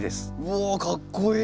うわかっこいい。